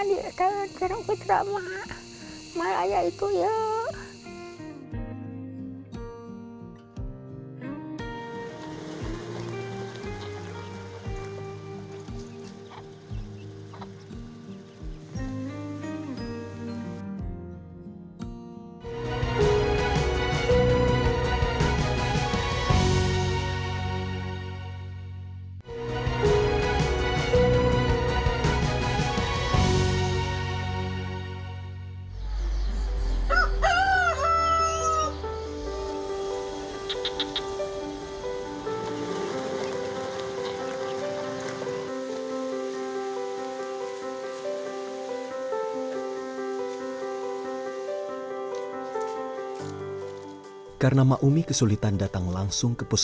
di seluruh obrolan saya dengan mak umi setelah berbuka